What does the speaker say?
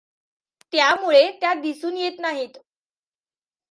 त्यामुळे त्या दिसून येत नाहीत.